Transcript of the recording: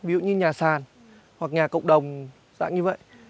ví dụ như nhà sàn hoặc nhà cộng đồng dạng như vậy